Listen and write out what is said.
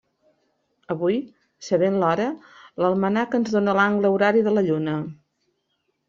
Avui, sabent l'hora, l'almanac ens dóna l'angle horari de la Lluna.